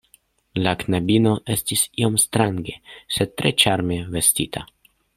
La knabino estis iom strange, sed tre ĉarme vestita.